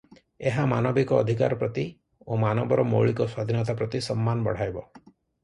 ଏହା ମାନବିକ ଅଧିକାର ପ୍ରତି ଓ ମାନବର ମୌଳିକ ସ୍ୱାଧୀନତା ପ୍ରତି ସମ୍ମାନ ବଢ଼ାଇବ ।